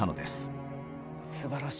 すばらしい。